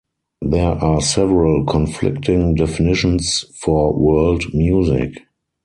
There are several conflicting definitions for world music.